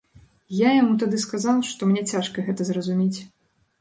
Я яму тады сказаў, што мне цяжка гэта зразумець.